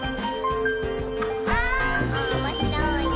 「おもしろいなぁ」